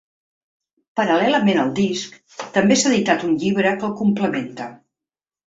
Paral·lelament al disc, també s’ha editat un llibre que el complementa.